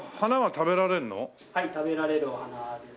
食べられるお花です。